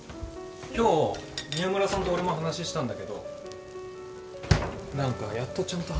今日宮村さんと俺も話したんだけど何かやっとちゃんと話せた気がする。